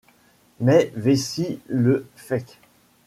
Mais vécy le faict.